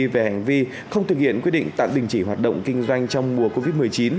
về hành vi không thực hiện quyết định tạm đình chỉ hoạt động kinh doanh trong mùa covid một mươi chín